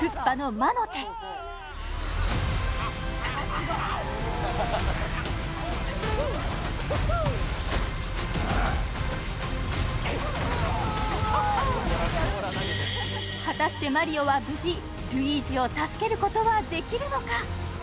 終わりだ次から次へと果たしてマリオは無事ルイージを助けることはできるのか？